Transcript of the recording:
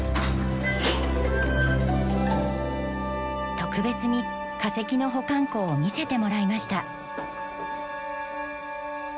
特別に化石の保管庫を見せてもらいました。